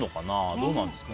どうなんですかね。